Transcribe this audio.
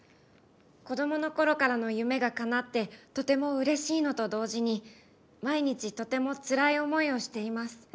子どものころからの夢がかなってとてもうれしいのと同時に毎日とてもつらい思いをしています。